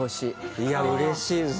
いや嬉しいです。